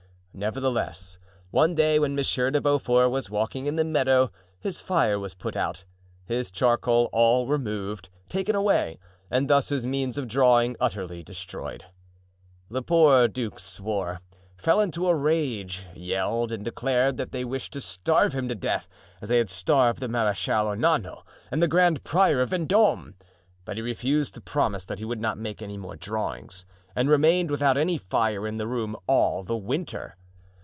Nevertheless, one day when Monsieur de Beaufort was walking in the meadow his fire was put out, his charcoal all removed, taken away; and thus his means of drawing utterly destroyed. The poor duke swore, fell into a rage, yelled, and declared that they wished to starve him to death as they had starved the Marechal Ornano and the Grand Prior of Vendome; but he refused to promise that he would not make any more drawings and remained without any fire in the room all the winter.